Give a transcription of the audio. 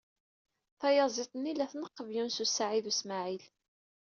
Tayaziḍt-nni la tneqqeb Yunes u Saɛid u Smaɛil.